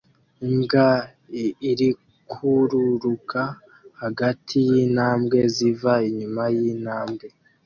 Imbwa irikururuka hagati yintambwe ziva inyuma yintambwe